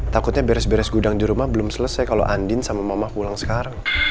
takutnya beres beres gudang di rumah belum selesai kalau andin sama mama pulang sekarang